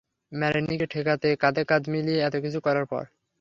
ম্যারোনিকে ঠেকাতে কাঁধে কাঁধ মিলিয়ে এতকিছু করার পরে?